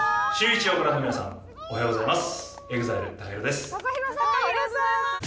シューイチをご覧の皆さん、おはようございます。